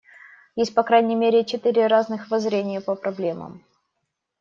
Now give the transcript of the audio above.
Есть по крайней мере четыре разных воззрения по проблемам.